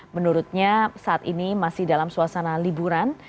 menurutnya saat ini masih dalam suasana liburan